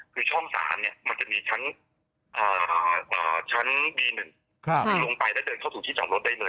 คือช่องสารเนี่ยมันจะมีชั้นชั้นบีหนึ่งลงไปแล้วเดินเข้าถึงที่จังรถได้เลย